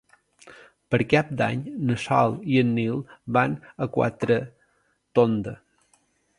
Per Cap d'Any na Sol i en Nil van a Quatretonda.